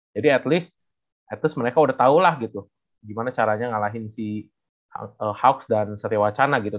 jadi at least mereka udah tau lah gitu gimana caranya ngalahin si hauks dan satya wacana gitu